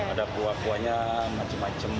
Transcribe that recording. ada buah buahnya macam macam